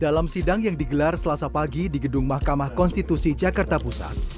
dalam sidang yang digelar selasa pagi di gedung mahkamah konstitusi jakarta pusat